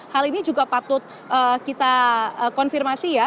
hal ini juga patut kita konfirmasi ya